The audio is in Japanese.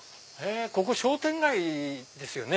ここ商店街ですよね？